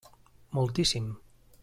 Moltíssim.